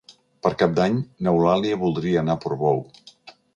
Per Cap d'Any n'Eulàlia voldria anar a Portbou.